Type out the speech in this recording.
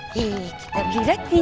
kita beli roti